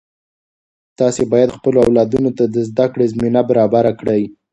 تاسې باید خپلو اولادونو ته د زده کړې زمینه برابره کړئ.